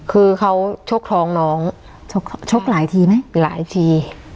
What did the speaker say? คือเขาชกท้องน้องชกหลายทีไหมหลายที